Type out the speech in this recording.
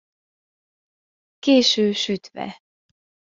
Késő sütve.